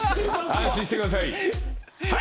安心してください